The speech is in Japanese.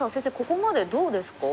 ここまでどうですか？